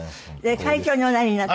会長におなりになった。